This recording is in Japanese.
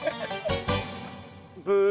ブー。